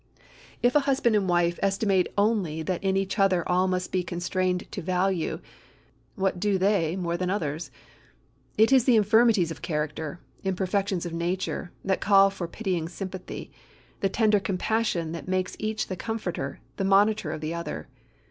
If husband and wife estimate only that in each which all must be constrained to value, what do they more than others? It is the infirmities of character, imperfections of nature, that call for pitying sympathy, the tender compassion that makes each the comforter, the monitor of the other.